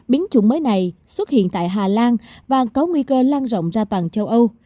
biến chủng mới này xuất hiện tại hà lan và có nguy cơ lan rộng ra toàn châu âu